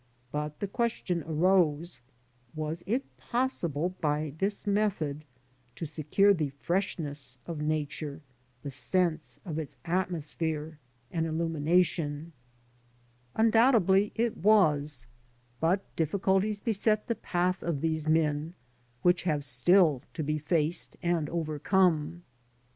But the question arose :'' Was it possible by this method to secure the freshness of Nature, the sense of its atmosphere and illumination?" 93 94 LANDSCAPE PAINTING IN OIL COLOUR. Undoubtedly it was; but difficulties beset the path of these men, which have still to be faced and overcome.